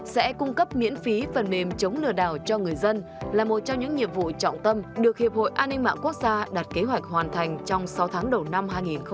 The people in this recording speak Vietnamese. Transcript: sẽ cung cấp miễn phí phần mềm chống lừa đảo cho người dân là một trong những nhiệm vụ trọng tâm được hiệp hội an ninh mạng quốc gia đặt kế hoạch hoàn thành trong sáu tháng đầu năm hai nghìn hai mươi